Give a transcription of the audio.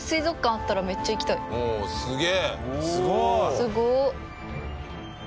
すごい！